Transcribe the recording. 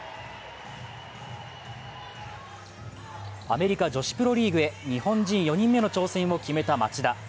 アメリカ女子プロリーグへ日本人４人目の挑戦を決めた町田。